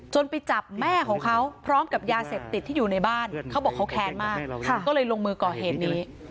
ไปจับแม่ของเขาพร้อมกับยาเสพติดที่อยู่ในบ้านเขาบอกเขาแค้นมากก็เลยลงมือก่อเหตุนี้